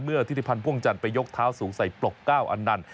ธิติพันธ์พ่วงจันทร์ไปยกเท้าสูงใส่ปลก๙อันนั้น